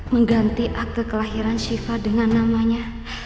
mengganti akte kelahiran shiva dengan namanya